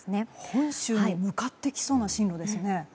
本州に向かってきそうな進路ですね。